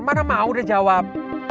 mana mau dia jawab